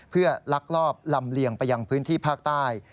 เพื่อลักลอบลำเลียงไปยังพื้นที่ภาคใต้